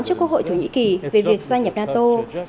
trước quốc hội thổ nhĩ kỳ về việc gia nhập nato